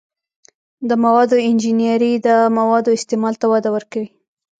د موادو انجنیری د موادو استعمال ته وده ورکوي.